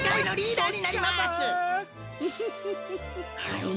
はい？